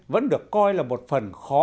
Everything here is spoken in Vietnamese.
vẫn được coi là một phần khó